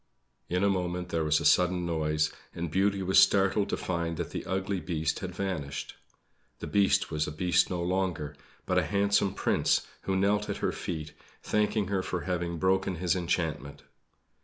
In a moment there was a sudden noise, and Beauty was startled to find that the ugly Beast had vanished. The Beast was a beast no longer, but a handsome Prince, who knelt at her feet, thanking her for having broken his enchantment.